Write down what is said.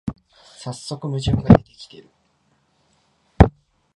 さっそく矛盾が出てきてる